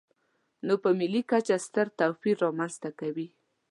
نو په ملي کچه ستر توپیر رامنځته کوي.